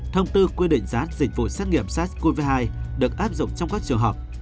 thông tư quy định giá dịch vụ xét nghiệm sars cov hai được áp dụng trong các trường hợp